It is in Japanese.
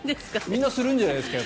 みんなするんじゃないですか？